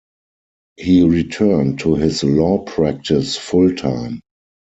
He returned to his law practice full-time.